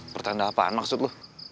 pertanda apaan maksud lo